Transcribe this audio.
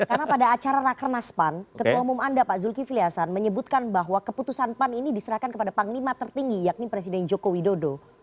karena pada acara raker nas pan ketua umum anda pak zulkifili hasan menyebutkan bahwa keputusan pan ini diserahkan kepada panglima tertinggi yakni presiden joko widodo